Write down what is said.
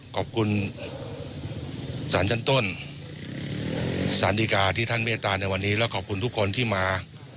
ขอบคุณศาลชั้นต้นสารดีกาที่ท่านเมตตาในวันนี้และขอบคุณทุกคนที่มา